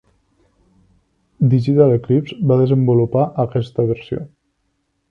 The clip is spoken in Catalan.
Digital Eclipse va desenvolupar aquesta versió.